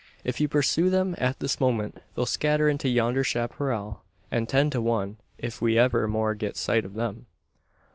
If you pursue them at this moment, they'll scatter into yonder chapparal; and ten to one if we ever more get sight of them.